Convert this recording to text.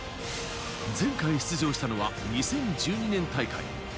前回出場したのは２０１２年大会。